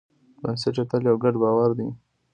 بنسټ یې تل یو ګډ باور دی.